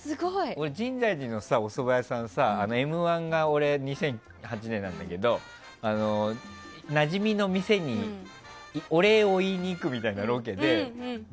俺、深大寺のおそば屋さんさ「Ｍ‐１」が俺、２００８年だったけどなじみの店にお礼を言いに行くみたいなロケで。